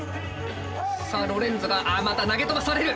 さあロレンゾがあっまた投げ飛ばされる。